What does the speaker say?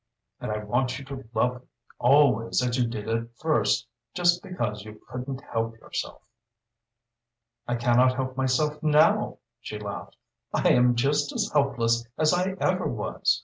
And I want you to love me always as you did at first just because you couldn't help yourself." "I can not help myself now," she laughed. "I am just as helpless as I ever was."